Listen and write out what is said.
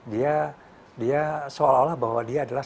dia dia seolah olah bahwa dia adalah